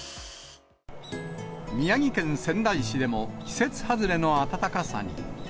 宮城県仙台市でも、季節外れの暖かさに。